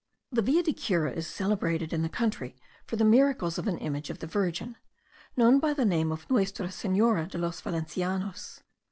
The Villa de Cura is celebrated in the country for the miracles of an image of the Virgin, known by the name of Nuestra Senora de los Valencianos.